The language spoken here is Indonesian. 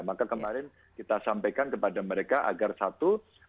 maka kemarin kita sampaikan kepada mereka agar satu